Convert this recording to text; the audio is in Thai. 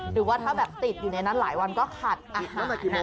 หรือว่าถ้าแบบติดอยู่ในนั้นหลายวันก็ขัดอ่ะกี่วัน